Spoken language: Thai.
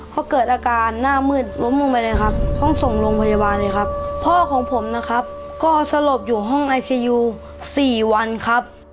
เขาเกิดอาการหน้ามืดล้มลงไปเลยครับต้องส่งโรงพยาบาลเลยครับพ่อของผมนะครับก็สลบอยู่ห้องไอซียูสี่วันครับ